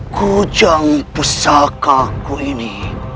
kujang pesakaku ini